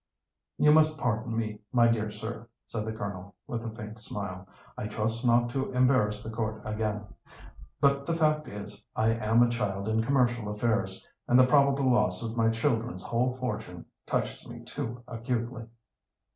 "You must pardon me, my dear sir," said the Colonel, with a faint smile. "I trust not to embarrass the court again; but the fact is, I am a child in commercial affairs, and the probable loss of my children's whole fortune touches me too acutely."